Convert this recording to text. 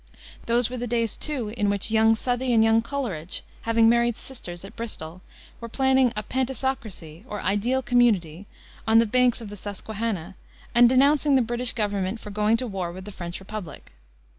Those were the days, too, in which young Southey and young Coleridge, having married sisters at Bristol, were planning a "Pantisocracy," or ideal community, on the banks of the Susquehannah, and denouncing the British government for going to war with the French Republic.